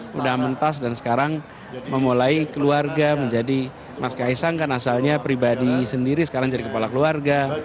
sudah mentas dan sekarang memulai keluarga menjadi mas kaisang kan asalnya pribadi sendiri sekarang jadi kepala keluarga